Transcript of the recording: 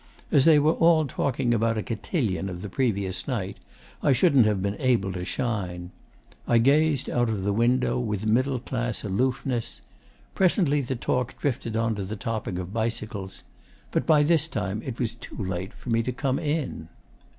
As they were all talking about a cotillion of the previous night, I shouldn't have been able to shine. I gazed out of the window, with middle class aloofness. Presently the talk drifted on to the topic of bicycles. But by this time it was too late for me to come in.